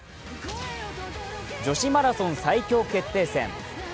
女子マラソン最強決定戦。